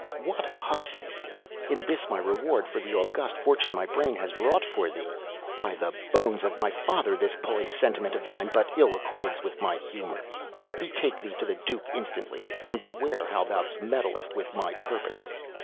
"What, huzzy! Is this my reward for the august fortune my brain has wrought for thee? By the bones of my father, this puling sentiment of thine but ill accords with my humor. "Betake thee to the Duke, instantly! And beware how thou meddlest with my purpose!"